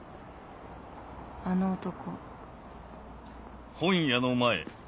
あの男。